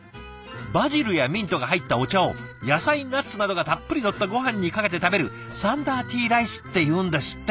バジルやミントが入ったお茶を野菜ナッツなどがたっぷりのったごはんにかけて食べるサンダーティーライスっていうんですって。